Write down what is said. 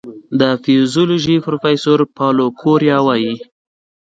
د فزیولوژي پروفېسور پاولو کوریا وايي